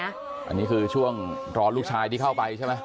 อันนี้คือช่วงรอลูกชายที่เข้าไปใช่ไหม